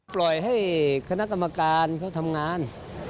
ปล่อยให้คณะกรรมการเขาทำงาน